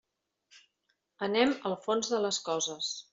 Anem al fons de les coses.